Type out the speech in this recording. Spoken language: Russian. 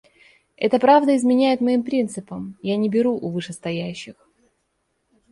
Это правда изменяет моим принципам, я не беру у вышестоящих.